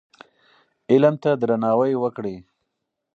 علم ته درناوی وکړئ.